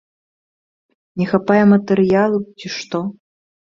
Не хапае матэрыялу, ці што?